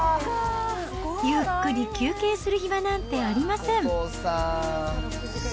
ゆっくり休憩する暇なんてありません。